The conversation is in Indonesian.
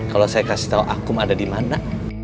kalau saya kasih tahu akum ada dimana